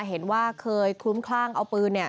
เห็นว่าเคยคลุ้มคล่างเอาปืน